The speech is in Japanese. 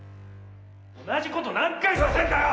同じこと何回言わせんだよ！